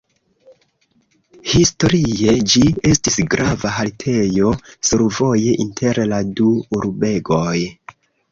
Historie ĝi estis grava haltejo survoje inter la du urbegoj.